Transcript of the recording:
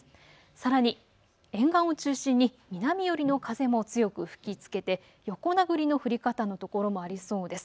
さらに沿岸を中心に南寄りの風も強く吹きつけて横殴りの降り方のところもありそうです。